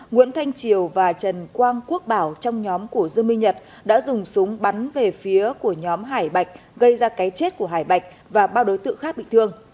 nguyễn thanh triều và trần quang quốc bảo trong nhóm của dương minh nhật đã dùng súng bắn về phía của nhóm hải bạch gây ra cái chết của hải bạch và bao đối tượng khác bị thương